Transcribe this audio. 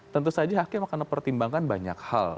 tentu saja hakim akan mempertimbangkan banyak hal